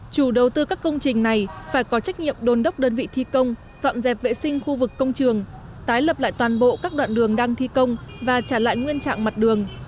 chủ đầu tư các công trình này phải có trách nhiệm đồn đốc đơn vị thi công dọn dẹp vệ sinh khu vực công trường tái lập lại toàn bộ các đoạn đường đang thi công và trả lại nguyên trạng mặt đường